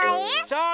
そう！